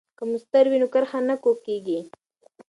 که مسطر وي نو کرښه نه کوږ کیږي.